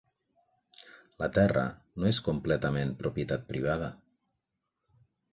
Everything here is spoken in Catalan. La terra no és completament propietat privada.